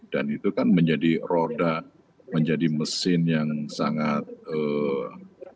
dan itu kan menjadi roda menjadi mesin yang sangat bergantung